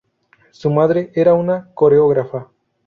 Su madre era una coreógrafa.